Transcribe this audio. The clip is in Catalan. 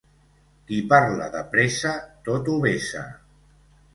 Qui parla de pressa tot ho vessa.